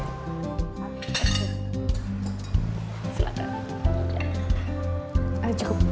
mari terima kasih